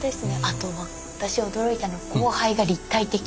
あとは私驚いたの光背が立体的。